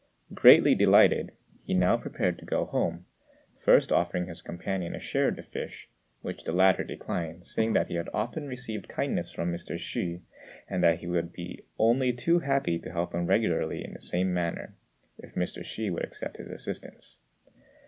Greatly delighted, he now prepared to go home, first offering his companion a share of the fish, which the latter declined, saying that he had often received kindnesses from Mr. Hsü, and that he would be only too happy to help him regularly in the same manner if Mr. Hsü would accept his assistance.